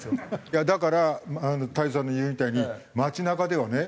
いやだから太蔵さんの言うみたいに街なかではね